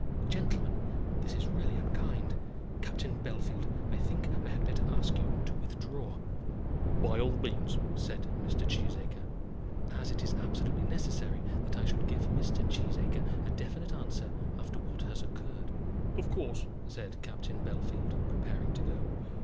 gentlemen! this is really unkind. Captain Bellfield, I think I had better ask you to withdraw." "By all means," said Mr. Cheesacre. "As it is absolutely necessary that I should give Mr. Cheesacre a definite answer after what has occurred " "Of course," said Captain Bellfield, preparing to go.